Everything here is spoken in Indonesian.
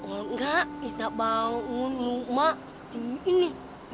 olga bisa bangun rumah di sini